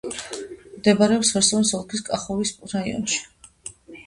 მდებარეობს ხერსონის ოლქის კახოვკის რაიონში.